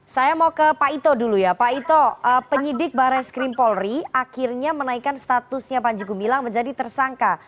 saya mau ke pak ito dulu ya pak ito penyidik bares krim polri akhirnya menaikkan statusnya panji gumilang menjadi tersangka